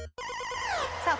さあ